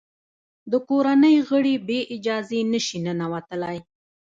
د کورنۍ غړي بې اجازې نه شي ننوتلای.